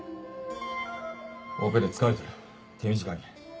オペで疲れてる手短に。